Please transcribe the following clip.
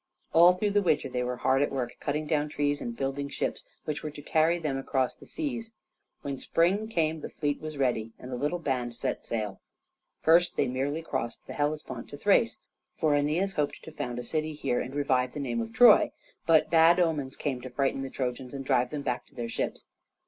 All through the winter they were hard at work cutting down trees and building ships, which were to carry them across the seas. When spring came the fleet was ready, and the little band set sail. First they merely crossed the Hellespont to Thrace, for Aeneas hoped to found a city here and revive the name of Troy. But bad omens came to frighten the Trojans and drive them back to their ships.